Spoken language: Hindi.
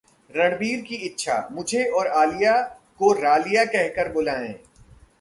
रणबीर की इच्छा- मुझे और आलिया को 'रालिया' कहकर बुलाएं